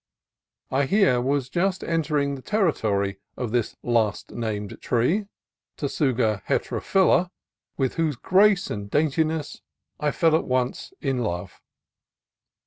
I here was just en tering the territory of this last named tree {Tsuga heterophylla) , with whose grace and daintiness I fell at once in love.